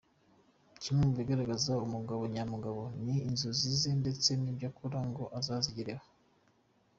Kimwe mu bigaragaza umugabo nyamugabo, ni inzozi ze ndetse n’ibyo akora ngo azazigereho.